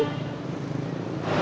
kamu baik baik aja kan